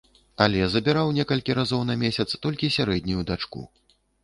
Але забіраў некалькі разоў на месяц толькі сярэднюю дачку.